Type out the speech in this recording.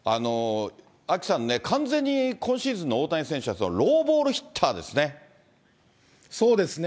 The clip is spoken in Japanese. アキさんね、完全に今シーズンの大谷選手は、ローボールヒッそうですね。